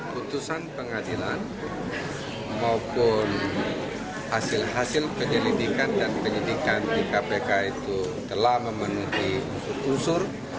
putusan pengadilan maupun hasil hasil penyelidikan dan penyidikan di kpk itu telah memenuhi unsur